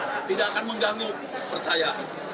nah tidak akan mengganggu percaya